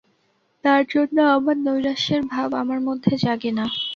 তার জন্য আমার নৈরাশ্যের ভাব আমার মধ্যে জাগে না।